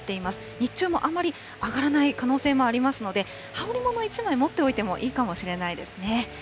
日中もあんまり上がらない可能性もありますので、羽織り物、１枚持っておいてもいいかもしれないですね。